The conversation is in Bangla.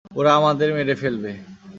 ওরা আমাদের মেরে ফেলবে।